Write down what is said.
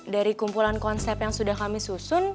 dari kumpulan konsep yang sudah kami susun